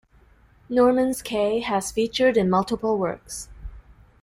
Norman's Cay has featured in multiple works.